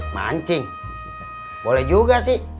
mancing boleh juga sih